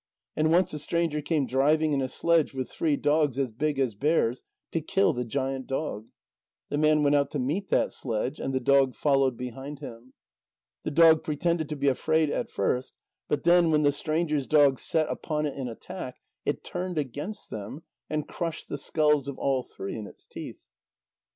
And once a stranger came driving in a sledge with three dogs as big as bears, to kill the giant dog. The man went out to meet that sledge, and the dog followed behind him. The dog pretended to be afraid at first, but then, when the stranger's dog set upon it in attack, it turned against them, and crushed the skulls of all three in its teeth.